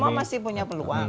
semua masih punya peluang